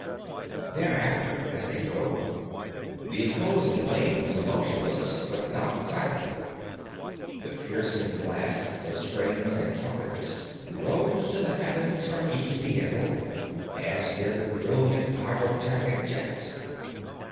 Thereafter, as they drove, the opposing lane was motionless, but not silent. The piercing blasts of strings and trumpets rose to the heavens from each vehicle, as did the brilliant pyrotechnic jets.